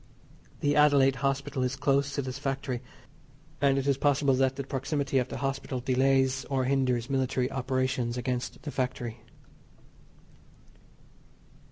The Adelaide Hospital is close to this factory, and it is possible that the proximity of the hospital, delays or hinders military operations against the factory.